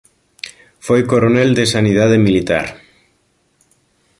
Foi coronel de Sanidade Militar.